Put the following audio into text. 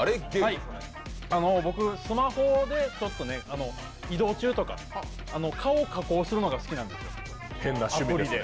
僕、スマホで移動中とか顔を加工するのが好きなんですよ、アプリで。